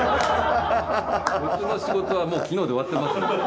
僕の仕事はもう昨日で終わってますので。